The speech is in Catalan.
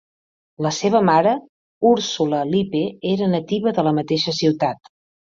La seva mare, Ursula Lippe, era nativa de la mateixa ciutat.